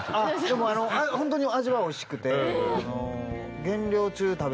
でもホントに味はおいしくて。